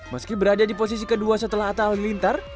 meski berada di posisi kedua setelah atta halilintar